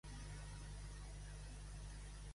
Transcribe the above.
Els creadors d'"All That" són Brian Robbins i Mike Tollin.